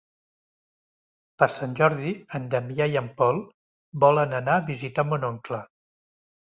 Per Sant Jordi en Damià i en Pol volen anar a visitar mon oncle.